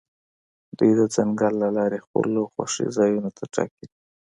دوی د ځنګل لارې خپلو خوښې ځایونو ته ټاکي